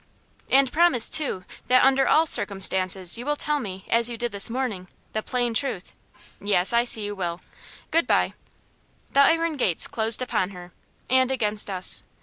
"And promise, too, that under all circumstances you will tell me, as you did this morning, the 'plain truth'? Yes, I see you will. Good bye." The iron gates closed upon her, and against us.